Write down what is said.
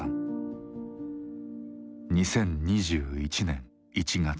２０２１年１月。